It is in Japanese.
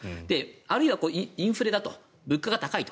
あるいはインフレ物価が高いと。